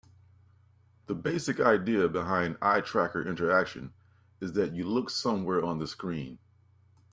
The basic idea behind eye tracker interaction is that you look somewhere on the screen.